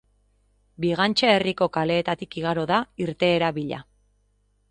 Bigantxa herriko kaleetatik igaro da, irteera bila.